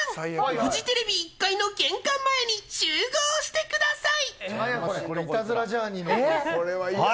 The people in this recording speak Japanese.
フジテレビ１階の玄関前に集合してください。